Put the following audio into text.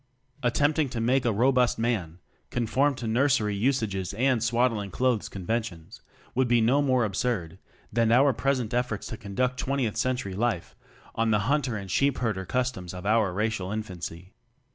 Attempting to make a robust man conform to nursery usages and swaddling clothes conventions would be no more absurd than our present efforts to conduct Twentieth Cen tury life on the Hunter and Sheep herder customs of our racial infancy.